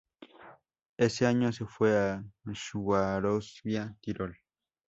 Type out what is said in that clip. Ese año se fue al Swarovski Tirol.